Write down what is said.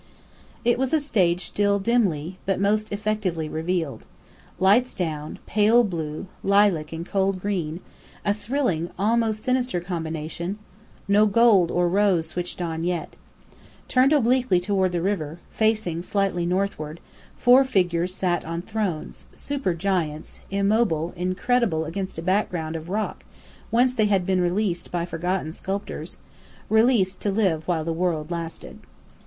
It was a stage still dimly, but most effectively revealed: lights down: pale blue, lilac and cold green; a thrilling, almost sinister combination: no gold or rose switched on yet. Turned obliquely toward the river, facing slightly northward, four figures sat on thrones, super giants, immobile, incredible, against a background of rock whence they had been released by forgotten sculptors released to live while the world lasted.